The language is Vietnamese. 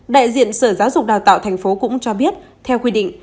đại diện sở giáo dục đào tạo thành phố cũng cho biết theo quy định